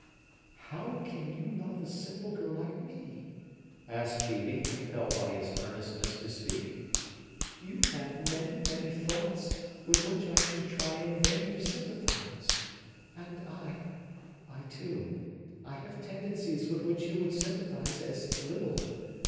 "How can you love a simple girl like me?" asked Phœbe, compelled by his earnestness to speak. "You have many, many thoughts, with which I should try in vain to sympathize. And I,—I, too,—I have tendencies with which you would sympathize as little.